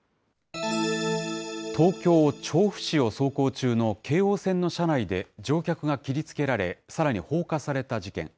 東京・調布市を走行中の京王線の車内で乗客が切りつけられ、さらに放火された事件。